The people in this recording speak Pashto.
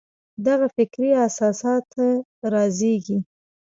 دغه فکري اساسات رازېږي.